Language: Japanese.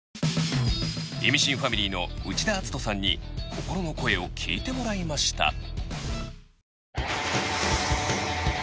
『イミシン』ファミリーの内田篤人さんに心の声を聞いてもらいました